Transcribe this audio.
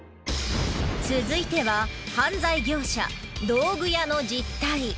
続いては犯罪業者道具屋の実態。